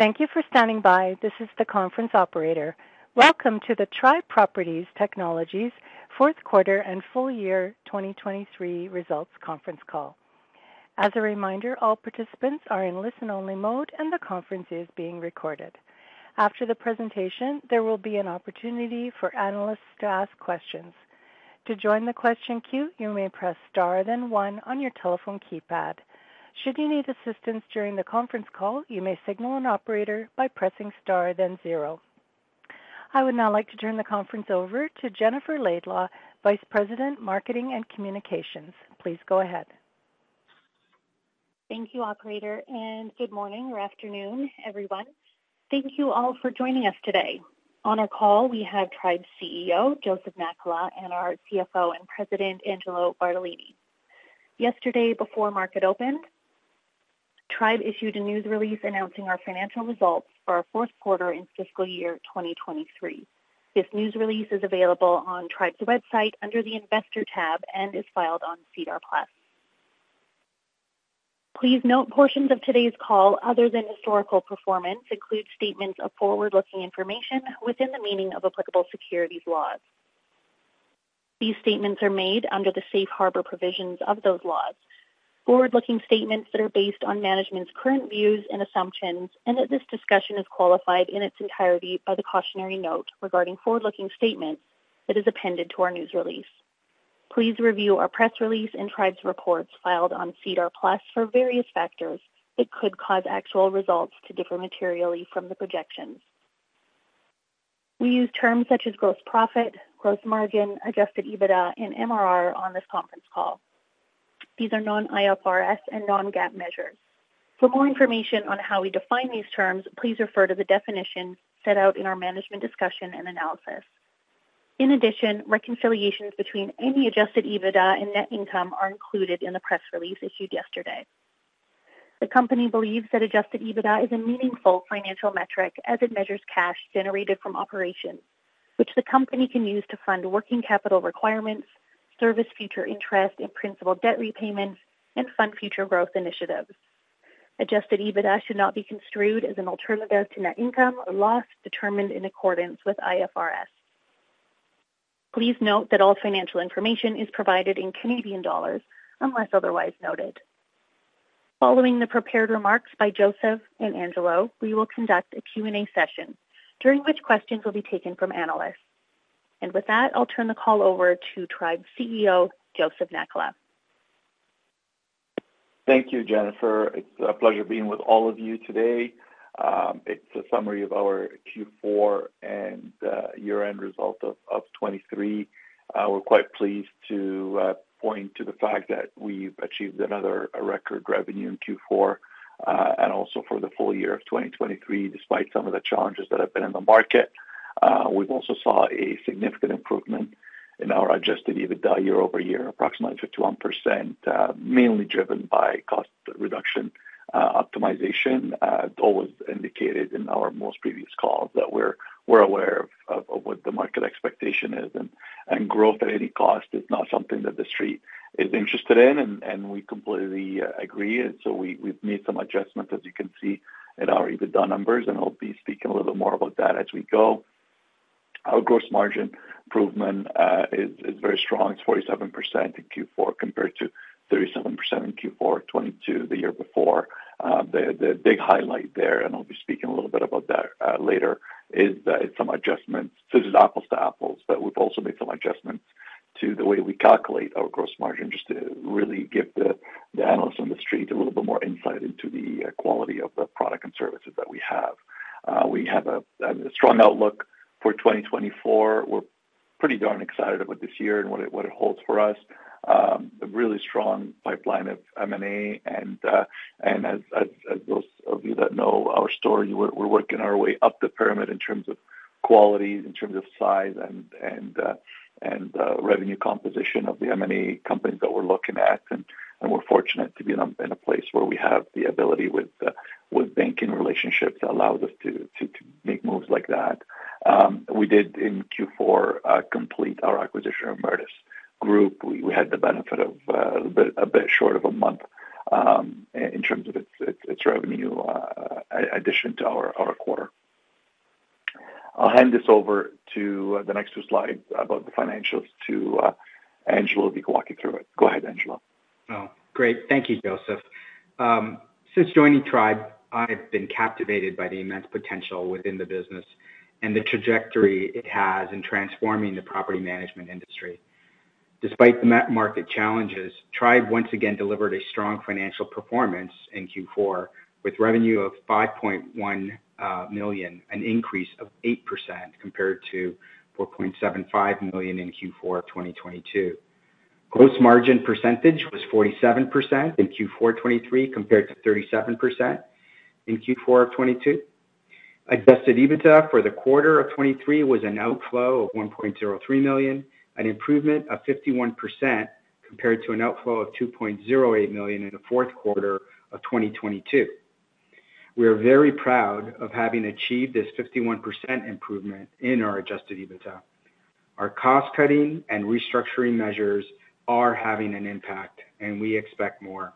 Thank you for standing by. This is the conference operator. Welcome to the Tribe Property Technologies fourth quarter and full year 2023 results conference call. As a reminder, all participants are in listen-only mode, and the conference is being recorded. After the presentation, there will be an opportunity for analysts to ask questions. To join the question queue, you may press star, then one on your telephone keypad. Should you need assistance during the conference call, you may signal an operator by pressing star, then zero. I would now like to turn the conference over to Jennifer Laidlaw, Vice President, Marketing and Communications. Please go ahead. Thank you, operator, and good morning or afternoon, everyone. Thank you all for joining us today. On our call, we have Tribe's CEO, Joseph Nakhla, and our CFO and President, Angelo Bartolini. Yesterday, before market opened, Tribe issued a news release announcing our financial results for our fourth quarter in fiscal year 2023. This news release is available on Tribe's website under the Investor tab and is filed on SEDAR+. Please note, portions of today's call, other than historical performance, include statements of forward-looking information within the meaning of applicable securities laws. These statements are made under the safe harbor provisions of those laws. Forward-looking statements that are based on management's current views and assumptions, and that this discussion is qualified in its entirety by the cautionary note regarding forward-looking statements that is appended to our news release. Please review our press release and Tribe's reports filed on SEDAR+ for various factors that could cause actual results to differ materially from the projections. We use terms such as gross profit, gross margin, Adjusted EBITDA, and MRR on this conference call. These are non-IFRS and non-GAAP measures. For more information on how we define these terms, please refer to the definition set out in our management discussion and analysis. In addition, reconciliations between any Adjusted EBITDA and net income are included in the press release issued yesterday. The company believes that Adjusted EBITDA is a meaningful financial metric as it measures cash generated from operations, which the company can use to fund working capital requirements, service future interest and principal debt repayments, and fund future growth initiatives. Adjusted EBITDA should not be construed as an alternative to net income or loss determined in accordance with IFRS. Please note that all financial information is provided in Canadian dollars, unless otherwise noted. Following the prepared remarks by Joseph and Angelo, we will conduct a Q&A session, during which questions will be taken from analysts. With that, I'll turn the call over to Tribe CEO, Joseph Nakhla. Thank you, Jennifer. It's a pleasure being with all of you today. It's a summary of our Q4 and year-end result of 2023. We're quite pleased to point to the fact that we've achieved another record revenue in Q4, and also for the full year of 2023, despite some of the challenges that have been in the market. We've also saw a significant improvement in our Adjusted EBITDA year-over-year, approximately 51%, mainly driven by cost reduction optimization. It's always indicated in our most previous calls that we're aware of what the market expectation is, and growth at any cost is not something that the street is interested in, and we completely agree. We've made some adjustments, as you can see, in our EBITDA numbers, and I'll be speaking a little more about that as we go. Our gross margin improvement is very strong. It's 47% in Q4, compared to 37% in Q4 of 2022, the year before. The big highlight there, and I'll be speaking a little bit about that later, is that it's some adjustments. This is apples to apples, but we've also made some adjustments to the way we calculate our gross margin, just to really give the analysts on the street a little bit more insight into the quality of the product and services that we have. We have a strong outlook for 2024. We're pretty darn excited about this year and what it holds for us. A really strong pipeline of M&A, and as those of you that know our story, we're working our way up the pyramid in terms of quality, in terms of size and revenue composition of the M&A companies that we're looking at. And we're fortunate to be in a place where we have the ability with banking relationships that allows us to make moves like that. We did in Q4 complete our acquisition of Meritus Group. We had the benefit of a bit short of a month in terms of its revenue addition to our quarter. I'll hand this over to the next two slides about the financials to Angelo. Angelo will be walking through it. Go ahead, Angelo. Oh, great. Thank you, Joseph. Since joining Tribe, I've been captivated by the immense potential within the business and the trajectory it has in transforming the property management industry. Despite the market challenges, Tribe once again delivered a strong financial performance in Q4, with revenue of 5.1 million, an increase of 8% compared to 4.75 million in Q4 of 2022. Gross margin percentage was 47% in Q4 2023, compared to 37% in Q4 of 2022. Adjusted EBITDA for the quarter of 2023 was an outflow of 1.03 million, an improvement of 51% compared to an outflow of 2.08 million in the fourth quarter of 2022. We are very proud of having achieved this 51% improvement in our adjusted EBITDA. Our cost-cutting and restructuring measures are having an impact, and we expect more.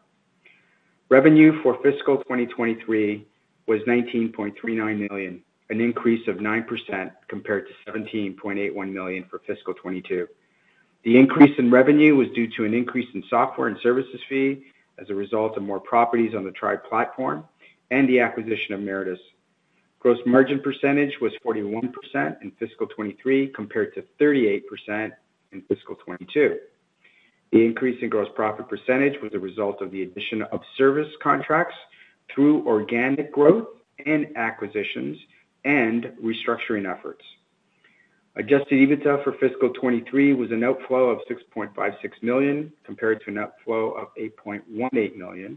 Revenue for fiscal 2023 was 19.39 million, an increase of 9% compared to 17.81 million for fiscal 2022. The increase in revenue was due to an increase in software and services fee as a result of more properties on the Tribe platform and the acquisition of Meritus. Gross margin percentage was 41% in fiscal 2023, compared to 38% in fiscal 2022. The increase in gross profit percentage was a result of the addition of service contracts through organic growth and acquisitions and restructuring efforts. Adjusted EBITDA for fiscal 2023 was an outflow of 6.56 million, compared to an outflow of 8.18 million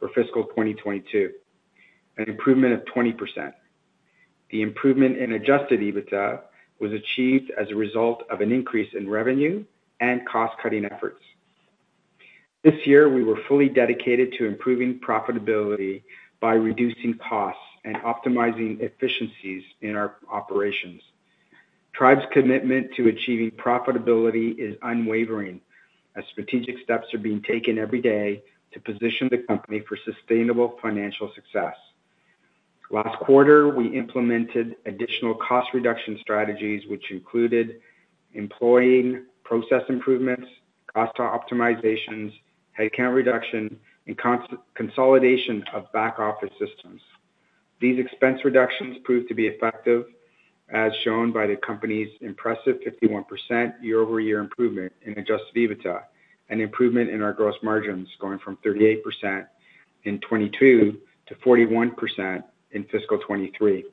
for fiscal 2022, an improvement of 20%. The improvement in Adjusted EBITDA was achieved as a result of an increase in revenue and cost-cutting efforts. This year, we were fully dedicated to improving profitability by reducing costs and optimizing efficiencies in our operations. Tribe's commitment to achieving profitability is unwavering, as strategic steps are being taken every day to position the company for sustainable financial success. Last quarter, we implemented additional cost reduction strategies, which included employing process improvements, cost optimizations, headcount reduction, and consolidation of back-office systems. These expense reductions proved to be effective, as shown by the company's impressive 51% year-over-year improvement in Adjusted EBITDA, an improvement in our gross margins going from 38% in 2022 to 41% in fiscal 2023.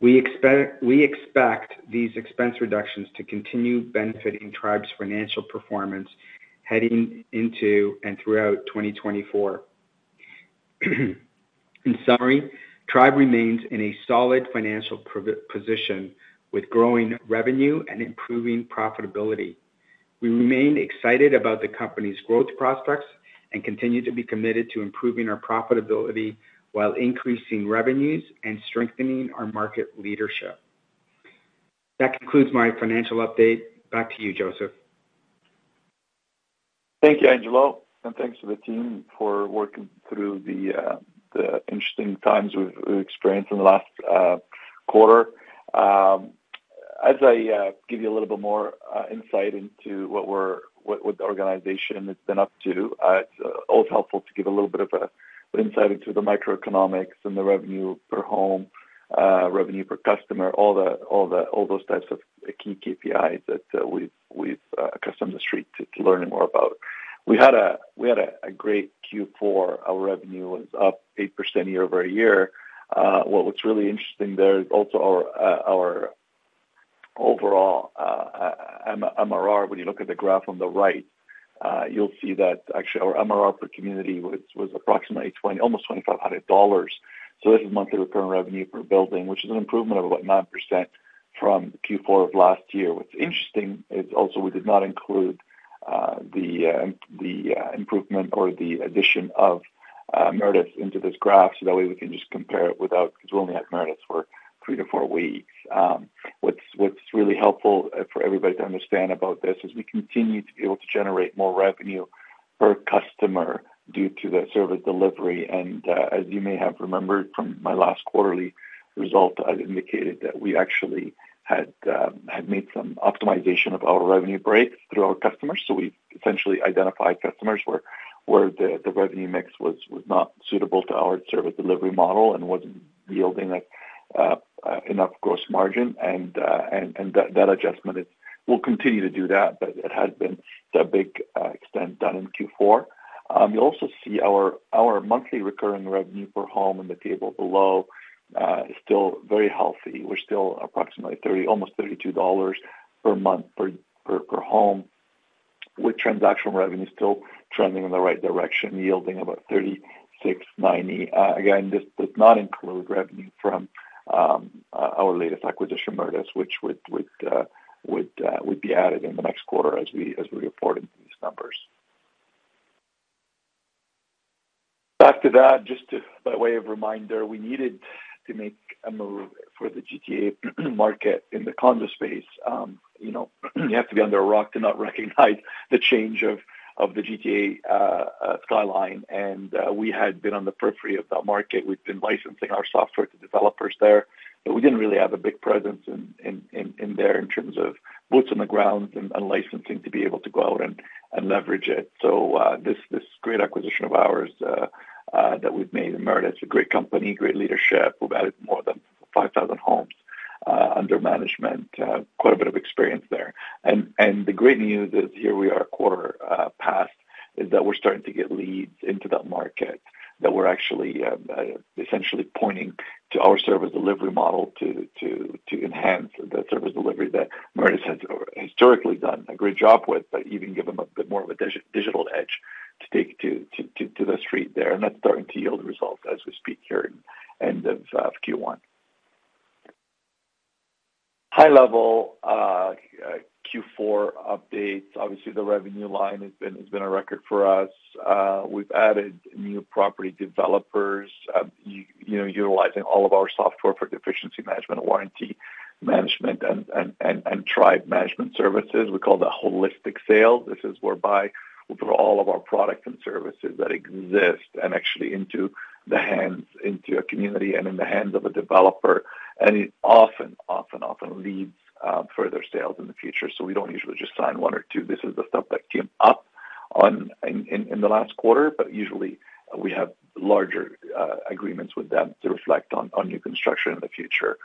We expect these expense reductions to continue benefiting Tribe's financial performance heading into and throughout 2024. In summary, Tribe remains in a solid financial position with growing revenue and improving profitability. We remain excited about the company's growth prospects and continue to be committed to improving our profitability while increasing revenues and strengthening our market leadership. That concludes my financial update. Back to you, Joseph. Thank you, Angelo, and thanks to the team for working through the interesting times we've experienced in the last quarter. As I give you a little bit more insight into what the organization has been up to, it's always helpful to give a little bit of insight into the microeconomics and the revenue per home, revenue per customer, all those types of key KPIs that we've accustomed the street to learning more about. We had a great Q4. Our revenue was up 8% year-over-year. What was really interesting there is also our overall MRR. When you look at the graph on the right, you'll see that actually our MRR per community was approximately 2,500 dollars. So this is monthly recurring revenue per building, which is an improvement of about 9% from Q4 of last year. What's interesting is also we did not include the improvement or the addition of Meritus into this graph. So that way, we can just compare it without, because we only had Meritus for 3 weeks-4 weeks. What's really helpful for everybody to understand about this is we continue to be able to generate more revenue per customer due to the service delivery. And as you may have remembered from my last quarterly result, I indicated that we actually had made some optimization of our revenue breaks through our customers. So we essentially identified customers where the revenue mix was not suitable to our service delivery model and wasn't yielding enough gross margin. And that adjustment is... We'll continue to do that, but it has been to a big extent done in Q4. You'll also see our monthly recurring revenue per home in the table below is still very healthy. We're still approximately 30, almost 32 dollars per month per home, with transactional revenue still trending in the right direction, yielding about 36.90. Again, this does not include revenue from our latest acquisition, Meritus, which would be added in the next quarter as we report these numbers. Back to that, just to, by way of reminder, we needed to make a move for the GTA market in the condo space. You know, you have to be under a rock to not recognize the change of the GTA skyline. And we had been on the periphery of that market. We've been licensing our software to developers there, but we didn't really have a big presence in there in terms of boots on the ground and licensing to be able to go out and leverage it. So, this great acquisition of ours that we've made, and Meritus is a great company, great leadership. We've added more than 5,000 homes under management. Quite a bit of experience there. The great news is, here we are a quarter past, is that we're starting to get leads into that market, that we're actually essentially pointing to our service delivery model to enhance the service delivery that Meritus has historically done a great job with, but even give them a bit more of a digital edge to take to the street there. And that's starting to yield results as we speak here in end of Q1. High level Q4 updates. Obviously, the revenue line has been a record for us. We've added new property developers, you know, utilizing all of our software for efficiency management and warranty management and Tribe Management Services. We call that holistic sales. This is whereby we put all of our products and services that exist and actually into the hands, into a community and in the hands of a developer, and it often leads further sales in the future. So we don't usually just sign one or two. This is the stuff that came up on in the last quarter, but usually we have larger agreements with them to reflect on new construction in the future.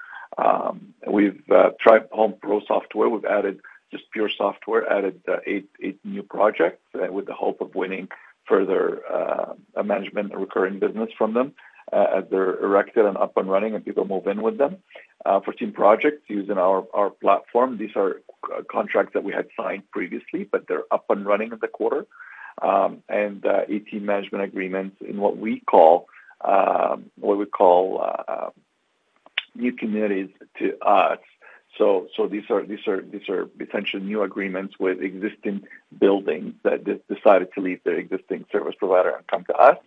We've tried Tribe Home Pro software. We've added just pure software, added eight new projects with the hope of winning further management and recurring business from them as they're erected and up and running and people move in with them. 14 projects using our platform. These are contracts that we had signed previously, but they're up and running in the quarter. And 18 management agreements in what we call new communities to us. So these are essentially new agreements with existing buildings that decided to leave their existing service provider and come to us,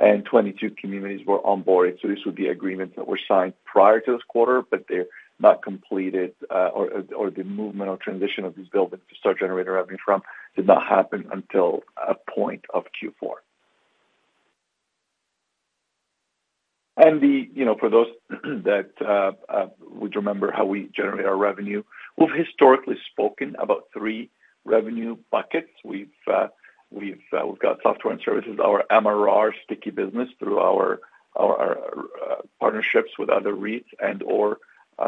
and 22 communities were onboarded. So these would be agreements that were signed prior to this quarter, but they're not completed, or the movement or transition of these buildings to start generating revenue from did not happen until a point of Q4. You know, for those that would remember how we generate our revenue, we've historically spoken about three revenue buckets. We've got software and services, our MRR sticky business through our partnerships with other REITs and/or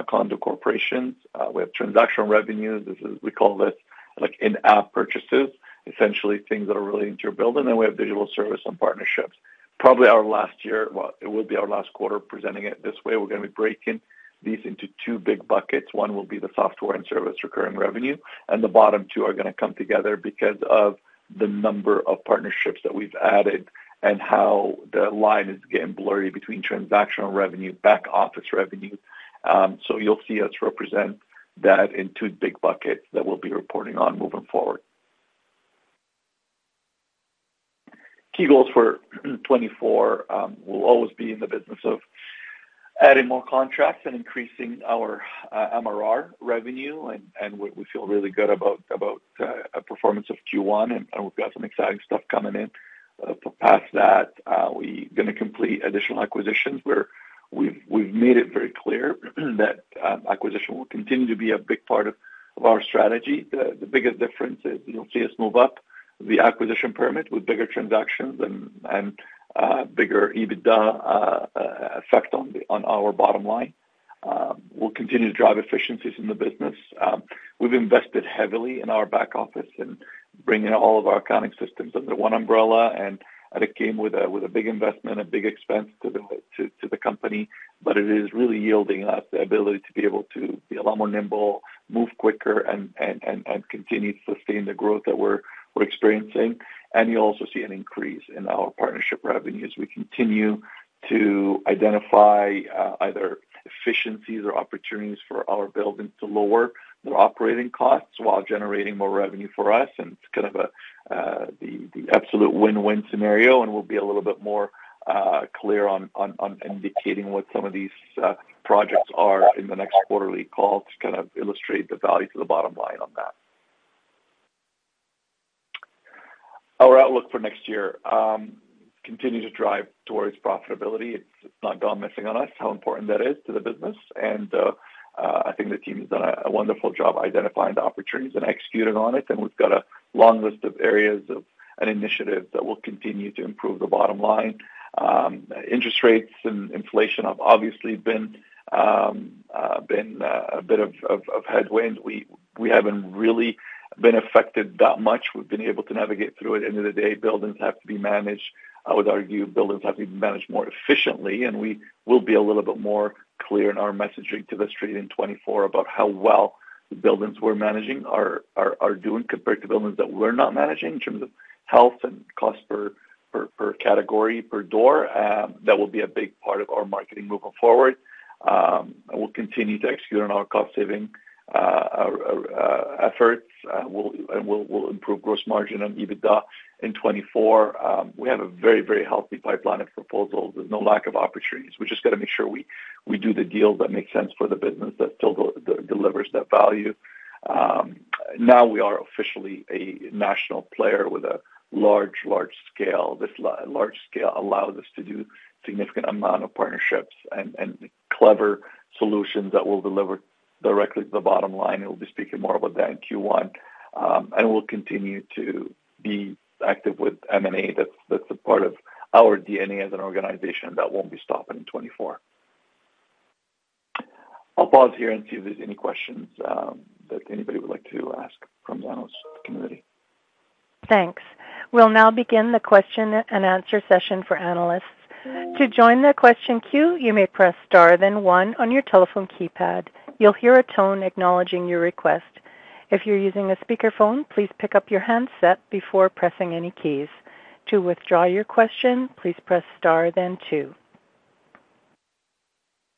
condo corporations. We have transactional revenues. This is, we call this, like, in-app purchases, essentially things that are related to your building. Then we have digital service and partnerships. Probably our last year, well, it will be our last quarter presenting it this way. We're gonna be breaking these into two big buckets. One will be the software and service recurring revenue, and the bottom two are gonna come together because of the number of partnerships that we've added and how the line is getting blurry between transactional revenue, back office revenue. So you'll see us represent that in two big buckets that we'll be reporting on moving forward. Key goals for 2024, will always be in the business of adding more contracts and increasing our, MRR revenue, and, and we, we feel really good about, about, a performance of Q1, and, and we've got some exciting stuff coming in. Past that, we gonna complete additional acquisitions where we've made it very clear that acquisition will continue to be a big part of our strategy. The biggest difference is you'll see us move up the acquisition pyramid with bigger transactions and bigger EBITDA effect on our bottom line. We'll continue to drive efficiencies in the business. We've invested heavily in our back office and bringing all of our accounting systems under one umbrella, and it came with a big investment, a big expense to the company, but it is really yielding us the ability to be able to be a lot more nimble, move quicker, and continue to sustain the growth that we're experiencing. You'll also see an increase in our partnership revenue as we continue to identify either efficiencies or opportunities for our buildings to lower their operating costs while generating more revenue for us, and it's kind of the absolute win-win scenario, and we'll be a little bit more clear on indicating what some of these projects are in the next quarterly call to kind of illustrate the value to the bottom line on that. Our outlook for next year continue to drive towards profitability. It's not gone missing on us, how important that is to the business, and I think the team has done a wonderful job identifying the opportunities and executing on it, and we've got a long list of areas and initiatives that will continue to improve the bottom line. Interest rates and inflation have obviously been a bit of headwinds. We haven't really been affected that much. We've been able to navigate through it. At the end of the day, buildings have to be managed. I would argue buildings have been managed more efficiently, and we will be a little bit more clear in our messaging to the street in 2024 about how well the buildings we're managing are doing compared to buildings that we're not managing in terms of health and cost per category, per door. That will be a big part of our marketing moving forward. We'll continue to execute on our cost saving efforts. We'll improve gross margin on EBITDA in 2024. We have a very, very healthy pipeline of proposals. There's no lack of opportunities. We just got to make sure we do the deals that make sense for the business, that still delivers that value. Now we are officially a national player with a large scale. This large scale allows us to do significant amount of partnerships and clever solutions that will deliver directly to the bottom line. We'll be speaking more about that in Q1. And we'll continue to be active with M&A. That's a part of our DNA as an organization. That won't be stopping in 2024. I'll pause here and see if there's any questions that anybody would like to ask from the analyst community. Thanks. We'll now begin the question and answer session for analysts. To join the question queue, you may press star, then one on your telephone keypad. You'll hear a tone acknowledging your request. If you're using a speakerphone, please pick up your handset before pressing any keys. To withdraw your question, please press star, then two.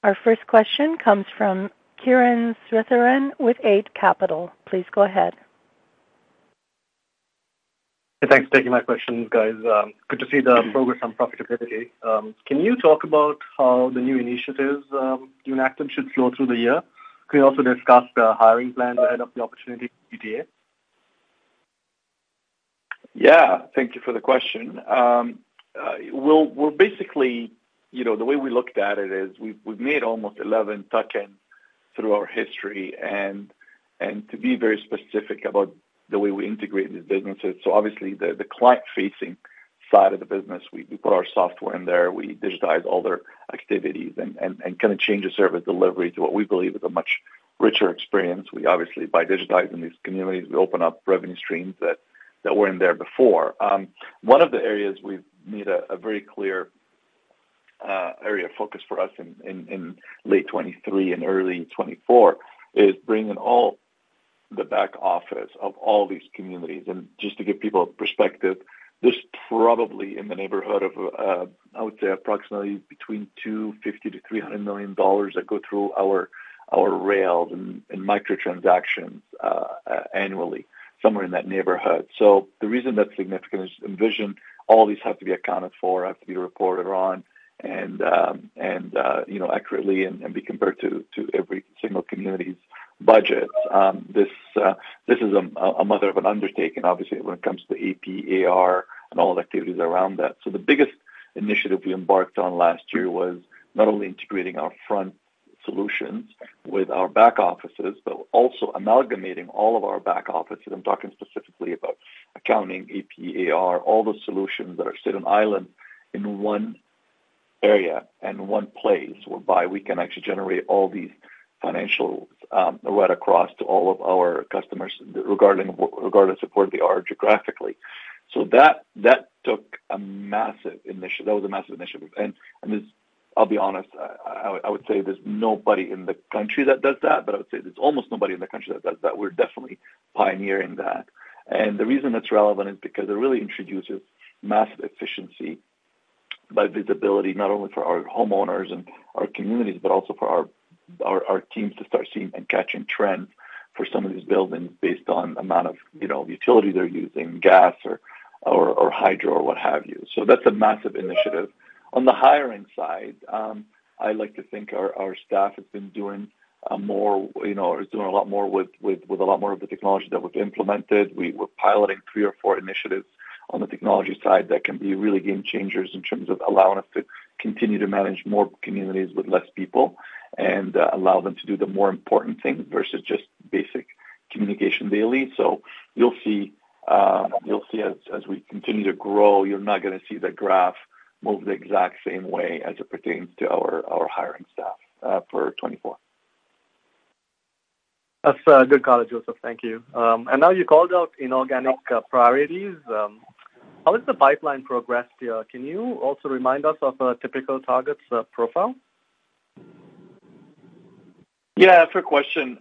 Our first question comes from Kiran Sritharan with Eight Capital. Please go ahead. Thanks for taking my questions, guys. Good to see the progress on profitability. Can you talk about how the new initiatives, you enacted should flow through the year? Can you also discuss the hiring plan ahead of the opportunity GTA? Yeah, thank you for the question. We're basically, you know, the way we looked at it is we've made almost 11 tuck-in through our history, and to be very specific about the way we integrate these businesses, so obviously the client-facing side of the business, we put our software in there, we digitize all their activities and kind of change the service delivery to what we believe is a much richer experience. We obviously, by digitizing these communities, we open up revenue streams that weren't there before. One of the areas we've made a very clear area of focus for us in late 2023 and early 2024 is bringing all the back office of all these communities. Just to give people a perspective, there's probably in the neighborhood of, I would say approximately between 250 million-300 million dollars that go through our rails and microtransactions, annually, somewhere in that neighborhood. So the reason that's significant is envision, all these have to be accounted for, have to be reported on, and you know, accurately and be compared to every single community's budget. This is a mother of an undertaking, obviously, when it comes to AP/AR and all the activities around that. So the biggest initiative we embarked on last year was not only integrating our front solutions with our back offices, but also amalgamating all of our back offices. I'm talking specifically about accounting, AP/AR, all the solutions that sit on an island in one area and one place, whereby we can actually generate all these financials right across to all of our customers, regarding, regardless of where they are geographically. So that, that took a massive initiative. That was a massive initiative. I'll be honest, I, I, I would say there's nobody in the country that does that, but I would say there's almost nobody in the country that does that. We're definitely pioneering that. And the reason that's relevant is because it really introduces massive efficiency by visibility, not only for our homeowners and our communities, but also for our, our, our teams to start seeing and catching trends for some of these buildings based on amount of, you know, utility they're using, gas or hydro, or what have you. So that's a massive initiative. On the hiring side, I like to think our staff has been doing more, you know, is doing a lot more with a lot more of the technology that we've implemented. We're piloting three or four initiatives on the technology side that can be really game changers in terms of allowing us to continue to manage more communities with less people and allow them to do the more important things versus just basic communication daily. So you'll see, you'll see as we continue to grow, you're not gonna see the graph move the exact same way as it pertains to our hiring staff for 2024. That's a good call, Joseph. Thank you. And now you called out inorganic priorities. How is the pipeline progress here? Can you also remind us of a typical targets profile? Yeah, fair question.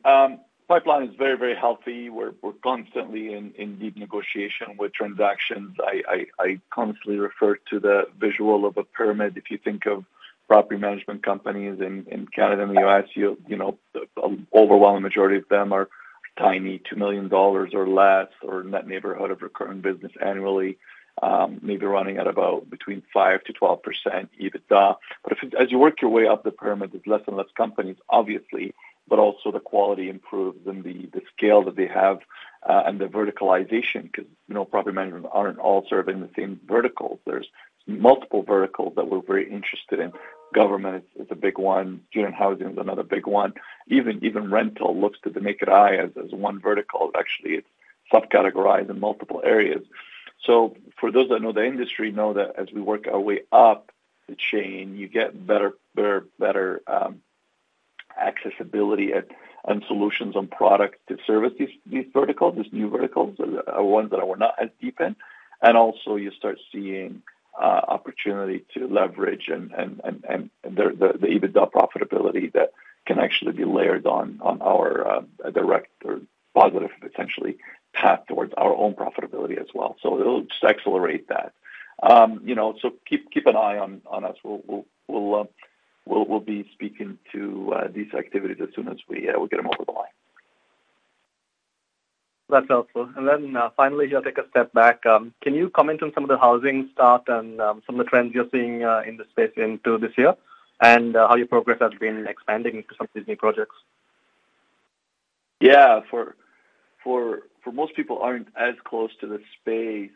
Pipeline is very, very healthy. We're constantly in deep negotiation with transactions. I constantly refer to the visual of a pyramid. If you think of property management companies in Canada and the U.S., you know, the overwhelming majority of them are tiny, 2 million dollars or less, or in that neighborhood of recurring business annually, maybe running at about between 5%-12% EBITDA. But if, as you work your way up the pyramid, there's less and less companies, obviously, but also the quality improves and the scale that they have, and the verticalization, because, you know, property management aren't all serving the same verticals. There's multiple verticals that we're very interested in. Government is a big one. Student housing is another big one. Even rental looks to the naked eye as one vertical. Actually, it's sub-categorized in multiple areas. So for those that know the industry know that as we work our way up the chain, you get better, better, better accessibility and solutions on product to service these, these verticals, these new verticals, ones that we're not as deep in. And also you start seeing opportunity to leverage and the EBITDA profitability that can actually be layered on our direct or positive, potentially path towards our own profitability as well. So it'll just accelerate that. You know, so keep, keep an eye on us. We'll be speaking to these activities as soon as we get them over the line. That's helpful. And then, finally, here, take a step back. Can you comment on some of the housing starts and some of the trends you're seeing in the space into this year, and how your progress has been expanding into some of these new projects? Yeah. For most people who aren't as close to the space,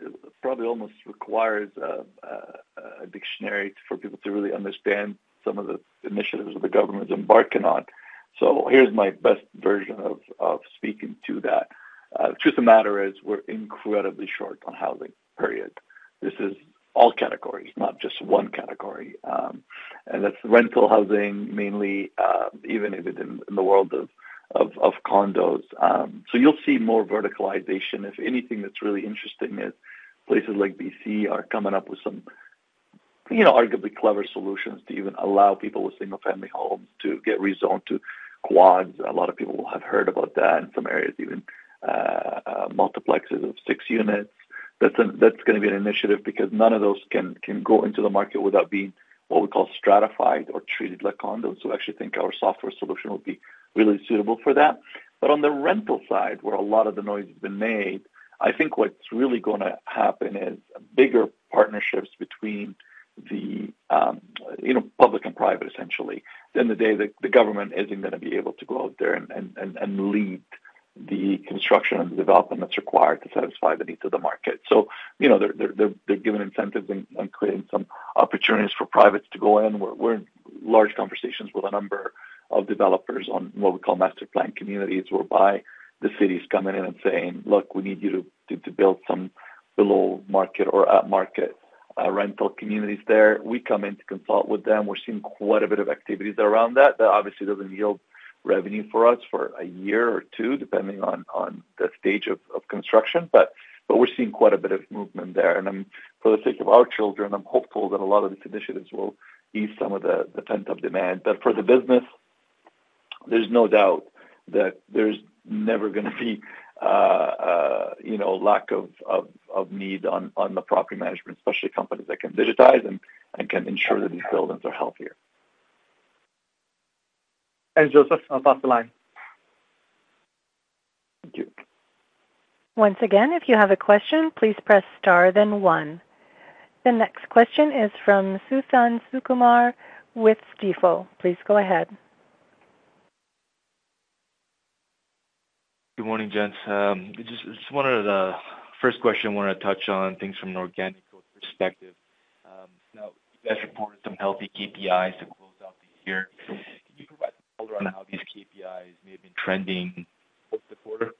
it probably almost requires a dictionary for people to really understand some of the initiatives that the government is embarking on. So here's my best version of speaking to that. Truth of the matter is we're incredibly short on housing, period. This is all categories, not just one category, and that's rental housing, mainly, even if it in the world of condos. So you'll see more verticalization. If anything that's really interesting is places like BC are coming up with some, you know, arguably clever solutions to even allow people with single-family homes to get rezoned to quads. A lot of people will have heard about that, in some areas, even multiplexes of six units. That's gonna be an initiative because none of those can go into the market without being what we call stratified or treated like condos. So we actually think our software solution will be really suitable for that. But on the rental side, where a lot of the noise has been made, I think what's really gonna happen is bigger partnerships between the, you know, public and private, essentially, than the day that the government isn't gonna be able to go out there and lead the construction and the development that's required to satisfy the needs of the market. So, you know, they're giving incentives and creating some opportunities for privates to go in. We're in large conversations with a number of developers on what we call master planned communities, whereby the city's coming in and saying, "Look, we need you to build some below market or at market rental communities there." We come in to consult with them. We're seeing quite a bit of activities around that. That obviously doesn't yield revenue for us for a year or two, depending on the stage of construction. But we're seeing quite a bit of movement there. And I'm for the sake of our children, I'm hopeful that a lot of these initiatives will ease some of the pent-up demand. But for the business, there's no doubt that there's never gonna be, you know, lack of need on the property management, especially companies that can digitize and can ensure that these buildings are healthier. Thanks, Joseph. I'll pass the line. Thank you. Once again, if you have a question, please press star, then one. The next question is from Suthan Sukumar with Stifel. Please go ahead. Good morning, gents. The first question, I wanted to touch on things from an organic growth perspective. Now, you guys reported some healthy KPIs to close out the year. Can you provide color on how these KPIs may have been trending post the quarter?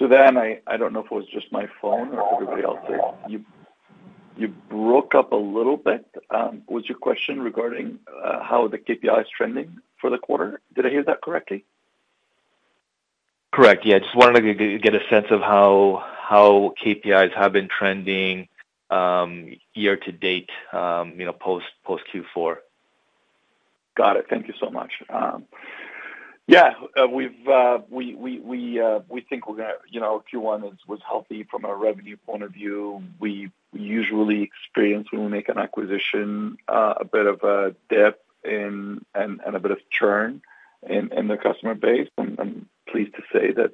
Suthan, I don't know if it was just my phone or everybody else's. You broke up a little bit. Was your question regarding how the KPI is trending for the quarter? Did I hear that correctly? Correct. Yeah, just wanted to get a sense of how KPIs have been trending, year-to-date, you know, post Q4. Got it. Thank you so much. Yeah, we think we're gonna, you know, Q1 was healthy from a revenue point of view. We usually experience, when we make an acquisition, a bit of dip in and a bit of churn in the customer base. I'm pleased to say that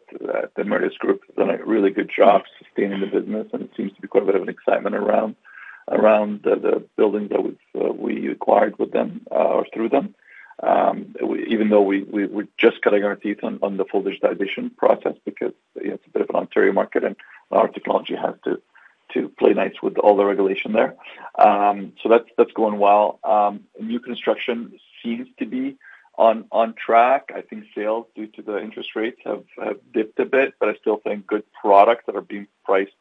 the Meritus Group has done a really good job sustaining the business, and it seems to be quite a bit of an excitement around the buildings that we've acquired with them or through them. Even though we're just cutting our teeth on the full digitization process because it's a bit of an Ontario market, and our technology has to play nice with all the regulation there. So that's going well. New construction seems to be on track. I think sales, due to the interest rates, have dipped a bit, but I still think good products that are being priced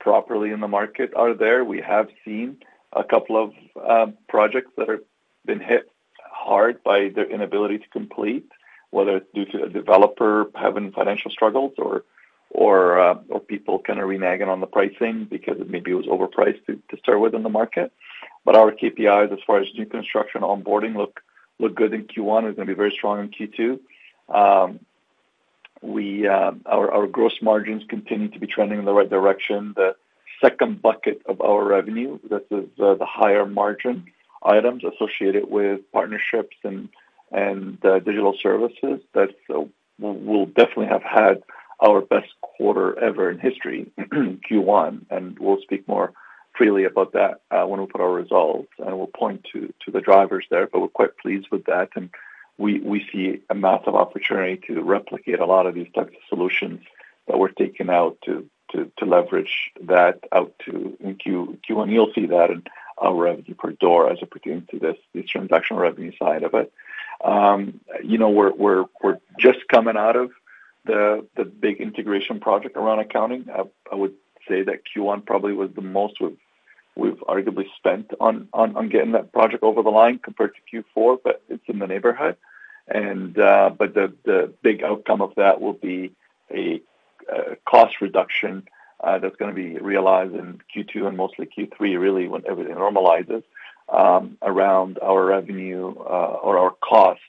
properly in the market are there. We have seen a couple of projects that have been hit hard by their inability to complete, whether it's due to a developer having financial struggles or people kind of reneging on the pricing because maybe it was overpriced to start with in the market. But our KPIs, as far as new construction onboarding look good in Q1, is gonna be very strong in Q2. Our gross margins continue to be trending in the right direction. The second bucket of our revenue, that is, the higher margin items associated with partnerships and digital services. We'll definitely have had our best quarter ever in history, Q1, and we'll speak more freely about that when we put our results, and we'll point to the drivers there, but we're quite pleased with that, and we see a massive opportunity to replicate a lot of these types of solutions that we're taking out to leverage that out to in Q1. You'll see that in our revenue per door as it pertains to this, the transaction revenue side of it. You know, we're just coming out of the big integration project around accounting. I would say that Q1 probably was the most we've arguably spent on getting that project over the line compared to Q4, but it's in the neighborhood. But the big outcome of that will be a cost reduction that's gonna be realized in Q2 and mostly Q3, really, when everything normalizes around our revenue or our cost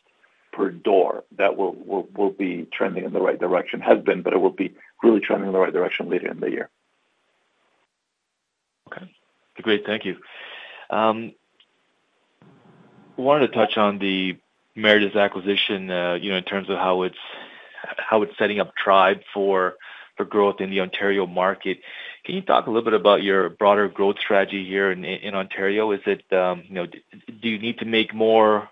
per door. That will be trending in the right direction, has been, but it will be really trending in the right direction later in the year. Okay, great. Thank you. Wanted to touch on the Meritus acquisition, you know, in terms of how it's setting up Tribe for growth in the Ontario market. Can you talk a little bit about your broader growth strategy here in Ontario? Is it, you know, do you need to make more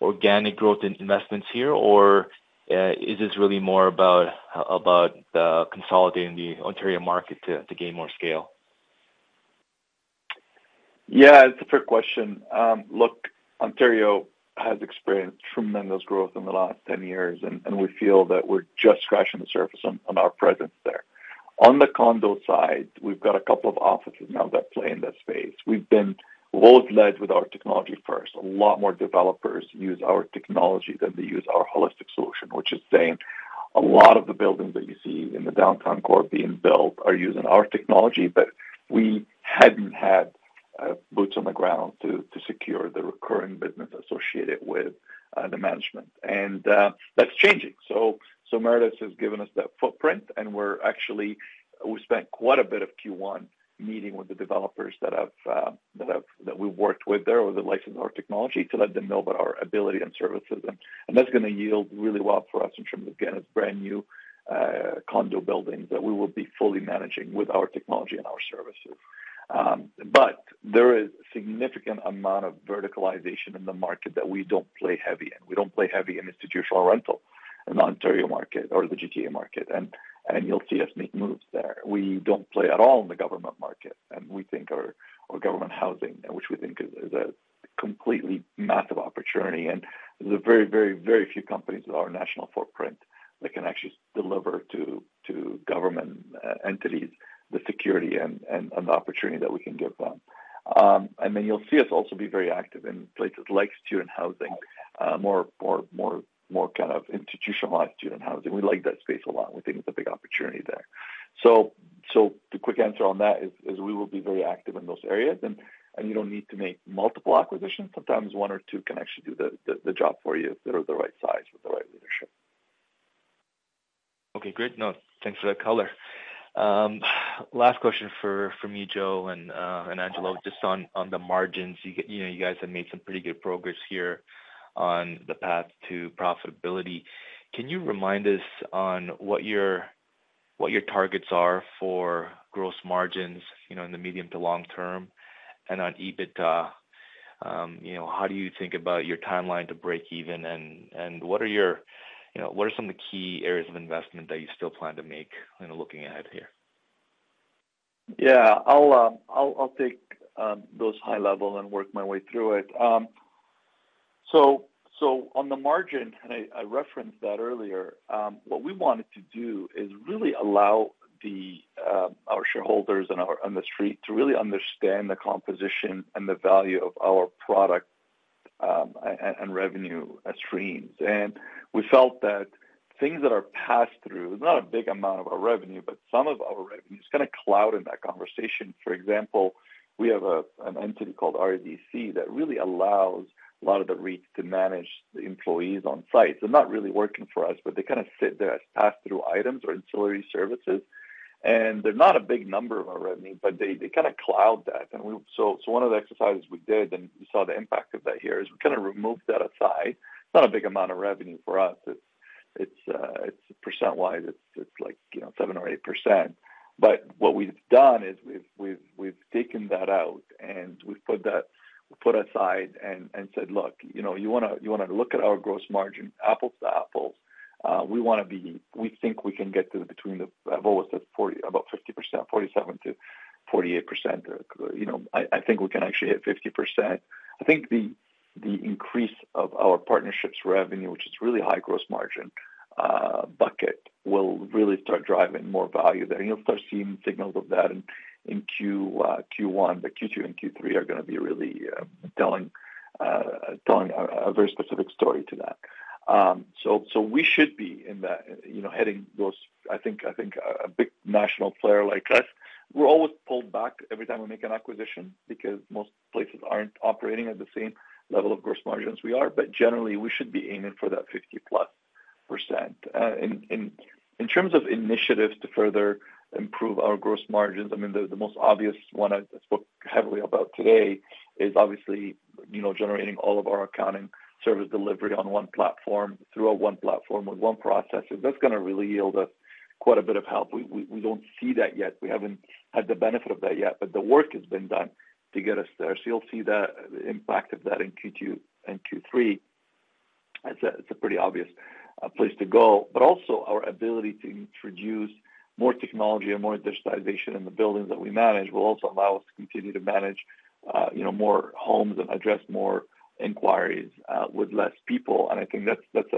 organic growth in investments here, or is this really more about consolidating the Ontario market to gain more scale? Yeah, it's a fair question. Look, Ontario has experienced tremendous growth in the last 10 years, and we feel that we're just scratching the surface on our presence there. On the condo side, we've got a couple of offices now that play in that space. We've been both led with our technology first. A lot more developers use our technology than they use our holistic solution, which is saying a lot of the buildings that you see in the downtown core being built are using our technology, but we hadn't had boots on the ground to secure the recurring business associated with the management. And that's changing. So, Meritus has given us that footprint, and we're actually, we spent quite a bit of Q1 meeting with the developers that we've worked with there or the license or technology to let them know about our ability and services. And that's gonna yield really well for us in terms of getting brand new condo buildings that we will be fully managing with our technology and our services. But there is significant amount of verticalization in the market that we don't play heavy in. We don't play heavy in institutional rental in the Ontario market or the GTA market, and you'll see us make moves there. We don't play at all in the government market, and we think our government housing, which we think is a completely massive opportunity, and there's a very few companies with our national footprint that can actually deliver to government entities, the security and the opportunity that we can give them. And then you'll see us also be very active in places like student housing, more kind of institutionalized student housing. We like that space a lot. We think it's a big opportunity there. So the quick answer on that is we will be very active in those areas, and you don't need to make multiple acquisitions. Sometimes one or two can actually do the job for you if they're the right size with the right leadership. Okay, great. No, thanks for that color. Last question from me, Joe and Angelo, just on the margins. You know, you guys have made some pretty good progress here on the path to profitability. Can you remind us on what your targets are for gross margins, you know, in the medium to long term, and on EBITDA, you know, how do you think about your timeline to break even? And what are your, you know, what are some of the key areas of investment that you still plan to make kind of looking ahead here? Yeah. I'll take those high level and work my way through it. So on the margin, and I referenced that earlier, what we wanted to do is really allow our shareholders and our on the street to really understand the composition and the value of our product and revenue streams. And we felt that things that are passed through, not a big amount of our revenue, but some of our revenue is kind of clouded in that conversation. For example, we have an entity called RDC that really allows a lot of the REITs to manage the employees on site. They're not really working for us, but they kind of sit there as pass-through items or ancillary services, and they're not a big number of our revenue, but they kind of cloud that. So one of the exercises we did, and we saw the impact of that here, is we kind of removed that aside. It's not a big amount of revenue for us. It's percent-wise, it's like, you know, 7% or 8%. But what we've done is we've taken that out, and we've put that aside and said: Look, you know, you wanna look at our gross margin, apples to apples, we wanna be... We think we can get to between... I've always said 40%, about 50%, 47%-48%. You know, I think we can actually hit 50%. I think the increase of our partnerships revenue, which is really high gross margin bucket, will really start driving more value there, and you'll start seeing signals of that in Q1, but Q2 and Q3 are gonna be really telling a very specific story to that. So we should be in the, you know, hitting those. I think a big national player like us, we're always pulled back every time we make an acquisition because most places aren't operating at the same level of gross margins we are, but generally, we should be aiming for that 50%+. In terms of initiatives to further improve our gross margins, I mean, the most obvious one I spoke heavily about today is obviously, you know, generating all of our accounting service delivery on one platform, through one platform, with one processor. That's gonna really yield us quite a bit of help. We don't see that yet. We haven't had the benefit of that yet, but the work has been done to get us there. So you'll see the impact of that in Q2 and Q3. It's a pretty obvious place to go. But also our ability to introduce more technology and more digitalization in the buildings that we manage will also allow us to continue to manage, you know, more homes and address more inquiries with less people. I think that's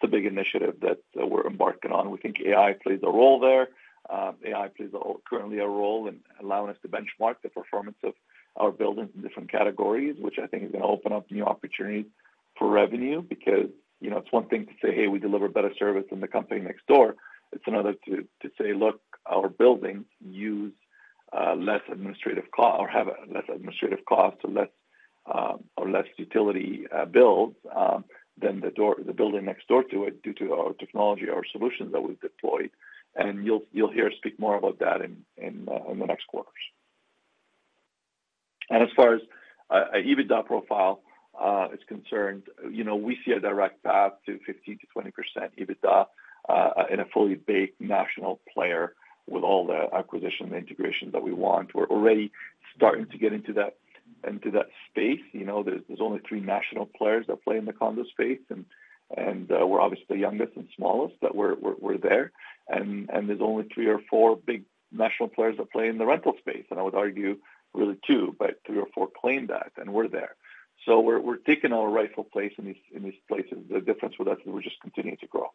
the big initiative that we're embarking on. We think AI plays a role there. AI currently plays a role in allowing us to benchmark the performance of our buildings in different categories, which I think is gonna open up new opportunities for revenue. Because, you know, it's one thing to say, "Hey, we deliver better service than the company next door." It's another to say, "Look, our buildings use less administrative cost or have less administrative costs or less utility bills than the building next door to it due to our technology or solutions that we've deployed." And you'll hear us speak more about that in the next quarters. And as far as EBITDA profile is concerned, you know, we see a direct path to 15%-20% EBITDA in a fully baked national player with all the acquisition and integration that we want. We're already starting to get into that space. You know, there's only three national players that play in the condo space, and we're obviously the youngest and smallest, but we're there. And there's only three or four big national players that play in the rental space, and I would argue really two, but three or four claim that, and we're there. So we're taking our rightful place in these places. The difference with us, we're just continuing to grow.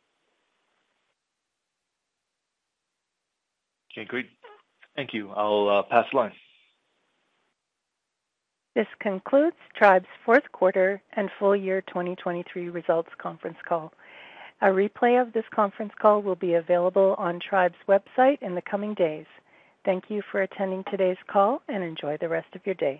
Okay, great. Thank you. I'll pass the line. This concludes Tribe's fourth quarter and full year 2023 results conference call. A replay of this conference call will be available on Tribe's website in the coming days. Thank you for attending today's call, and enjoy the rest of your day.